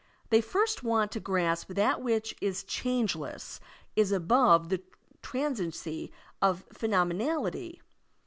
They first want to grasp that which is changeless, is above the transiency of phenomenality.